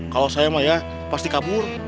kalau saya maya pasti kabur